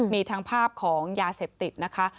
มีทั้งภาพของยาเสพติดนะคะ